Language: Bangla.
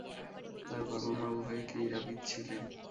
তার বাবা-মা উভয়ই ক্রীড়াবিদ ছিলেন।